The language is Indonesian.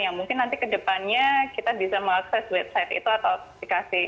yang mungkin nanti kedepannya kita bisa mengakses website itu atau aplikasi